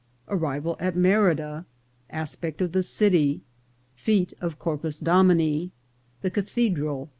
— Arrival at Merida. — Aspect of the City. — Fflte of Corpus Dom ini.— The Cathedral.